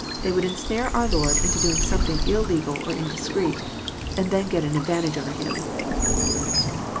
They would ensnare our Lord into doing something illegal or indis creet, and then get an advantage over Him.